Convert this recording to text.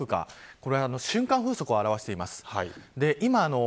これは瞬間風速を表しています。